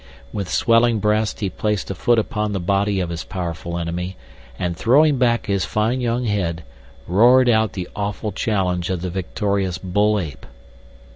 With swelling breast, he placed a foot upon the body of his powerful enemy, and throwing back his fine young head, roared out the awful challenge of the victorious bull ape.